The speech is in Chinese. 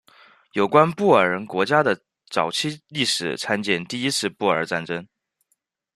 有关布尔人国家的早期历史参见第一次布尔战争。